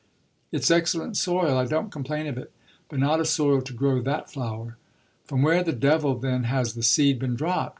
It's excellent soil I don't complain of it but not a soil to grow that flower. From where the devil then has the seed been dropped?